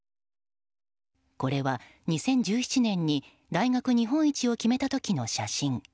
これは２０１７年に大学日本一を決めた時の写真。